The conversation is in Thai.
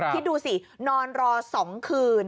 คิดดูสินอนรอ๒คืน